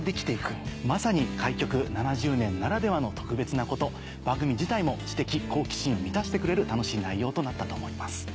まさに開局７０年ならではの特別なこと番組自体も知的好奇心を満たしてくれる楽しい内容となったと思います。